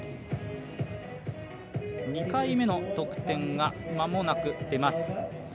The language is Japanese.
２回目の得点が間もなく出ます。